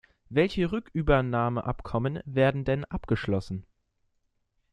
Welche Rückübernahmeabkommen wurden denn abgeschlossen?